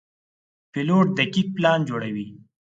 پیلوټ دقیق پلان جوړوي.